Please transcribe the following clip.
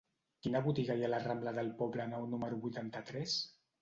Quina botiga hi ha a la rambla del Poblenou número vuitanta-tres?